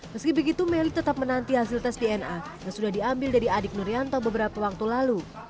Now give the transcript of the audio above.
meski begitu meli tetap menanti hasil tes dna yang sudah diambil dari adik nurianto beberapa waktu lalu